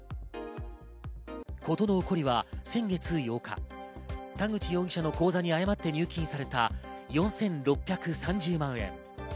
事の起こりは先月８日、田口容疑者の口座に誤って入金された４６３０万円。